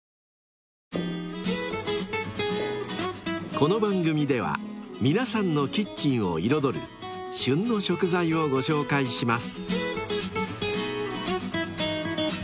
［この番組では皆さんのキッチンを彩る「旬の食材」をご紹介します］